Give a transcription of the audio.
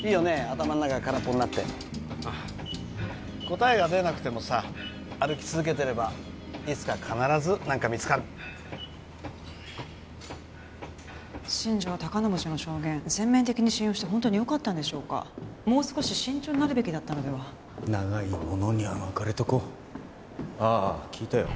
頭ん中空っぽになって答えが出なくてもさ歩き続けてればいつか必ず何か見つかる新庄隆信氏の証言全面的に信用して本当によかったんでしょうかもう少し慎重になるべきだったのでは長いものには巻かれとこうああ聞いたよ